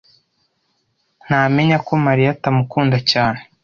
Ntamenya ko Mariya atamukunda cyane.